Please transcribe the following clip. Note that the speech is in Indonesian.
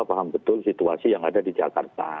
paham betul situasi yang ada di jakarta